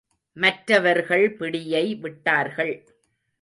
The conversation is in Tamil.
மற்றவர்கள் பிடியை விட்டார்கள்.